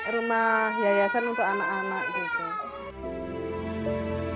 rumah yayasan untuk anak anak gitu